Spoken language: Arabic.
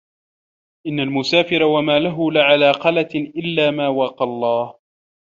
إنَّ الْمُسَافِرَ وَمَالَهُ لَعَلَى قَلَتٍ إلَّا مَا وَقَى اللَّهُ